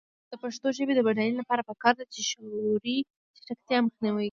د پښتو ژبې د بډاینې لپاره پکار ده چې شعوري چټکتیا مخنیوی شي.